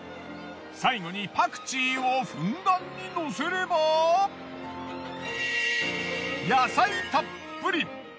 最後にパクチーをふんだんにのせれば野菜たっぷり！